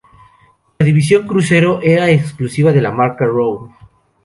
La división crucero era exclusiva de la marca Raw.